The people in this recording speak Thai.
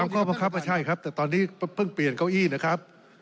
ข้อบังคับไม่ใช่ครับแต่ตอนนี้เพิ่งเปลี่ยนเก้าอี้นะครับ